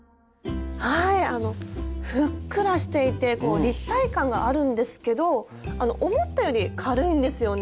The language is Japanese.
ふっくらしていて立体感があるんですけど思ったより軽いんですよね。